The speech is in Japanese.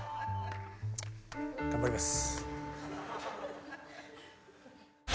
頑張ります。